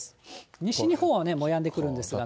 西日本はもうやんでくるんですがね。